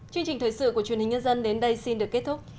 chương trình thời sự của truyền hình nhân dân đến đây xin được kết thúc